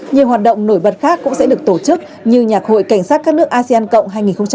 nhiều hoạt động nổi bật khác cũng sẽ được tổ chức như nhạc hội cảnh sát các nước asean cộng hai nghìn hai mươi